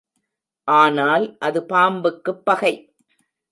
ஆனால் அது பாம்புக்குப் பகை.